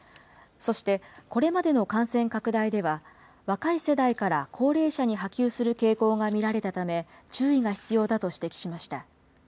そして、これまでの感染拡大では、若い世代から高齢者に波及する傾向が見られたため、注意が必要だと指摘しました。